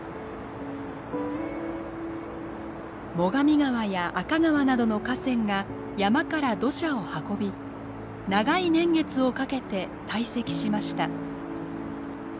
最上川や赤川などの河川が山から土砂を運び長い年月をかけて堆積しました。